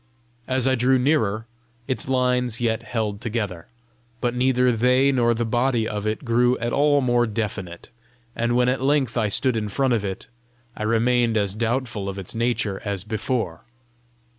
As I drew nearer, its lines yet held together, but neither they nor the body of it grew at all more definite; and when at length I stood in front of it, I remained as doubtful of its nature as before.